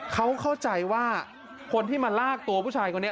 เขาเข้าใจว่าคนที่มาลากตัวผู้ชายคนนี้